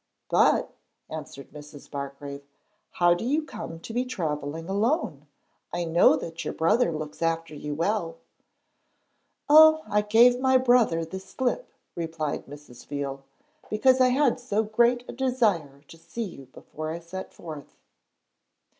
'But,' answered Mrs. Bargrave, 'how do you come to be travelling alone? I know that your brother looks after you well.' 'Oh, I gave my brother the slip,' replied Mrs. Veal, 'because I had so great a desire to see you before I set forth.'